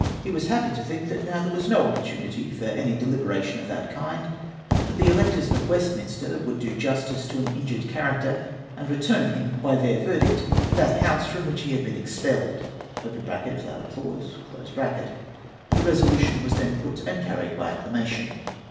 He was happy to tliinlc that now there was no opportunity for any deliberation of that kind, for the electors of Westminster would do justice to an injured character, and return him by their verdict to that House from which he had Ijeen exjielled (loud applause). The resolution was then put and carried by acclamation.